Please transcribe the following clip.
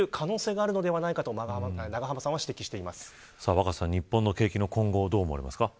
若狭さん、日本の景気の今後どう思われますか。